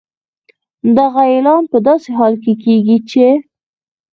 دغه اعلان په داسې حال کې کېږي چې